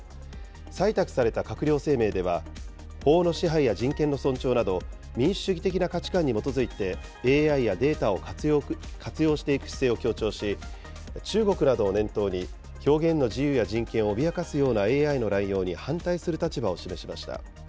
採択された閣僚声明では、法の支配や人権の尊重など、民主主義的な価値観に基づいてＡＩやデータを活用していく姿勢を強調し、中国などを念頭に表現の自由や人権を脅かすようなＡＩの乱用に反対する立場を示しました。